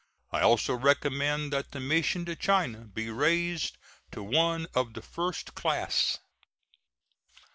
I also recommend that the mission to China be raised to one of the first class.